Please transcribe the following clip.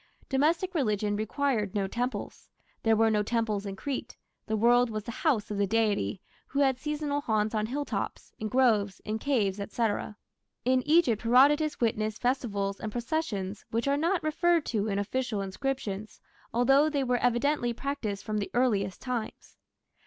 Domestic religion required no temples. There were no temples in Crete: the world was the "house" of the deity, who had seasonal haunts on hilltops, in groves, in caves, &c. In Egypt Herodotus witnessed festivals and processions which are not referred to in official inscriptions, although they were evidently practised from the earliest times.